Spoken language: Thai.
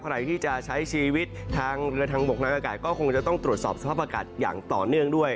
ใครที่จะใช้ชีวิตทางเรือทางบกทางอากาศก็คงจะต้องตรวจสอบสภาพอากาศอย่างต่อเนื่องด้วย